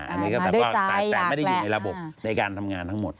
อันนี้ก็แบบว่าแต่ไม่ได้อยู่ในระบบในการทำงานทั้งหมด